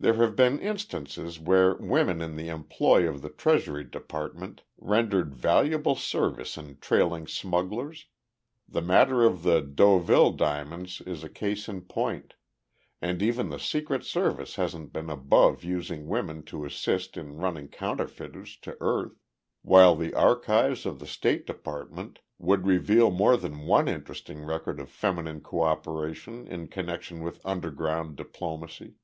There have been instances where women in the employ of the Treasury Department rendered valuable service in trailing smugglers the matter of the Deauville diamonds is a case in point and even the Secret Service hasn't been above using women to assist in running counterfeiters to earth, while the archives of the State Department would reveal more than one interesting record of feminine co operation in connection with underground diplomacy.